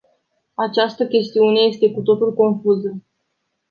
Această chestiune este cu totul confuză.